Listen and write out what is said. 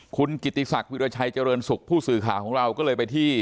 คุณกิติศักดิราชัยเจริญสุขผู้สื่อข่าวของเราก็เลยไปที่